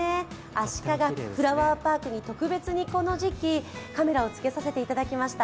あしかがフラワーパークに特別にこの時期カメラをつけさせていただきました。